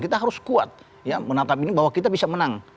kita harus kuat menatap ini bahwa kita bisa menang